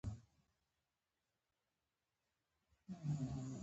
پاچا واورېدله ډیر خوشحال شو.